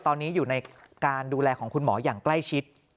ตอนนี้อยู่ในการดูแลของคุณหมออย่างใกล้ชิด